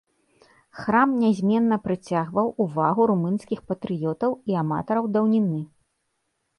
Храм нязменна прыцягваў увагу румынскіх патрыётаў і аматараў даўніны.